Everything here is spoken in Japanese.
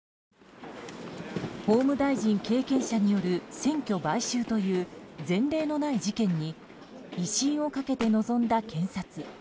法務大臣経験者による選挙買収という前例のない事件に威信をかけて臨んだ検察。